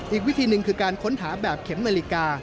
อีกวิธีหนึ่งคือการค้นหาแบบเข็มนาฬิกา